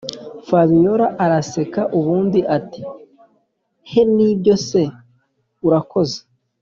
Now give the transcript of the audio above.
fabiora araseka ubundi ati”he nibyo se urakoze”